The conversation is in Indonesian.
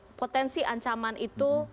satu potensi ancaman itu ada dan itu sudah dikutuk